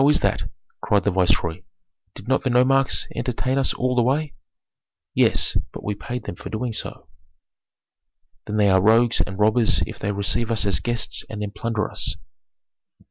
"How is that?" cried the viceroy. "Did not the nomarchs entertain us all the way?" "Yes, but we paid them for doing so." "Then they are rogues and robbers if they receive us as guests and then plunder us."